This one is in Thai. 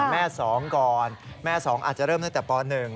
แม่๒ก่อนแม่๒อาจจะเริ่มตั้งแต่ป๑